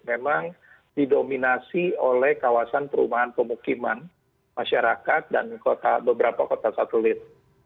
memang didominasi oleh kawasan perumahan pemukiman masyarakat dan beberapa kota satelit